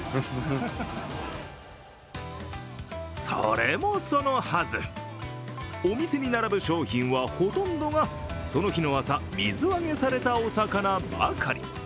それもそのはず、お店に並ぶ商品は、ほとんどがその日の朝、水揚げされたお魚ばかり。